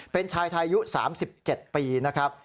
เป็นชายไทยอายุ๓๗ปีนะครับ